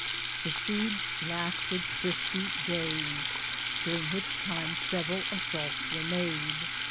The siege lasted fifty days, during which time several assaults were made.